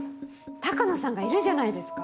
鷹野さんがいるじゃないですか。